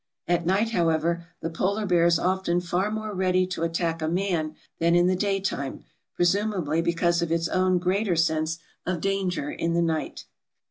At night, however, the polar bear is often far more ready to attack a man than in the daytime, presumably because of its own greater sense of danger in the night.